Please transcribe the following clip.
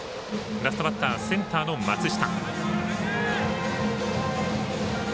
ラストバッター、センターの松下。